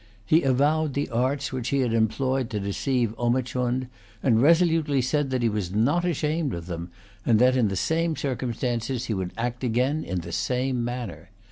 He avowed the arts which he had employed to deceive Omichund, and resolutely said that he was not ashamed of them, and that, in the same circumstances, he would again act in the same manner.